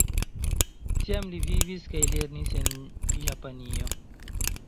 Tiam li vivis kaj lernis en Japanio.